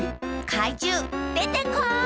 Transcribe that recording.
かいじゅうでてこい！